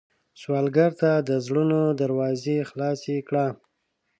سوالګر ته د زړونو دروازې خلاصې کړه